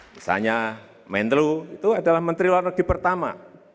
misalnya mentlo itu adalah menteri luar negeri pertama